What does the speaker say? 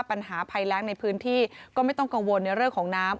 ปัญหาภัยแรงในพื้นที่ก็ไม่ต้องกังวลในเรื่องของน้ำ